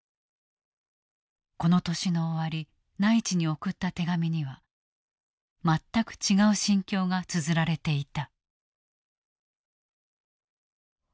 この年の終わり内地に送った手紙には全く違う心境がつづられていた。